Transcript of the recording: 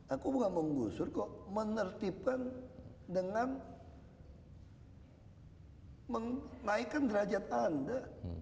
aku bukan mengusur kok menertipkan dengan menaikkan derajat anda